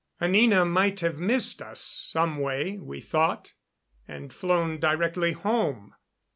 Anina might have missed us some way, we thought, and flown directly home.